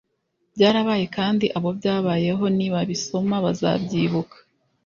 byarabaye kandi abo byabayeho nibabisoma bazabyibuka